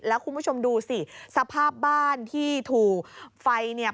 แล้วคุณผู้ชมดูสิสภาพบ้านที่ถูกไฟเนี่ย